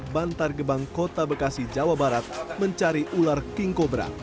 bantar gebang kota bekasi jawa barat mencari ular king cobra